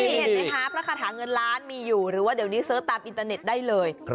นี่เห็นไหมคะพระคาถาเงินล้านมีอยู่หรือว่าเดี๋ยวนี้เสิร์ชตามอินเตอร์เน็ตได้เลย